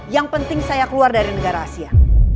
yang penting saya keluar dari negara asia